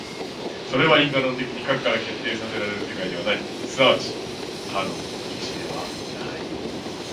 それは因果論的に過去から決定せられる世界ではない、即ち多の一ではない。